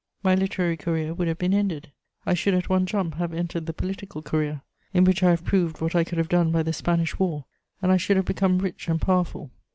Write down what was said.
My literary career would have been ended; I should at one jump have entered the political career, in which I have proved what I could have done by the Spanish War; and I should have become rich and powerful.